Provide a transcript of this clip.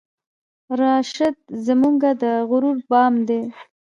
راشد زمونږه د غرور بام دی